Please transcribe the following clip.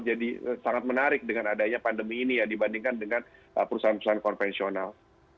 jadi sangat menarik dengan adanya pandemi ini ya dibandingkan dengan perusahaan perusahaan konvensional